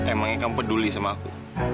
emangnya kamu peduli sama aku